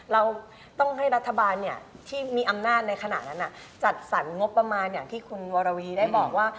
เราต้องให้รัฐบาลที่มีอำนาจในขณะนั้นจัดสรรงบประมาณอย่างที่คุณวรวีได้บอกว่า